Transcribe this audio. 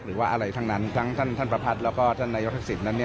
หรือว่าอะไรทั้งนั้นทั้งท่านประพัทธ์แล้วก็ท่านนายกทักษิณนั้น